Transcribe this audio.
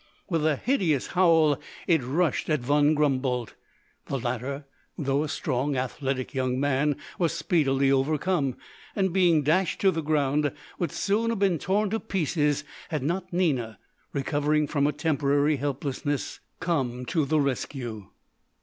With a hideous howl it rushed at Von Grumboldt. The latter, though a strong athletic young man, was speedily overcome, and being dashed to the ground, would soon have been torn to pieces had not Nina, recovering from a temporary helplessness, come to the rescue.